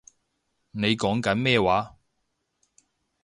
你講緊咩話